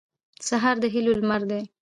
سهار د هیلو لمر دی.